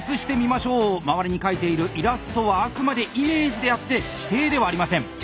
周りに描いているイラストはあくまでイメージであって指定ではありません。